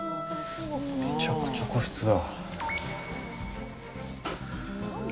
めちゃくちゃ個室だ。